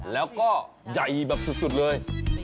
แล้วก็ใหญ่แบบสุดเลย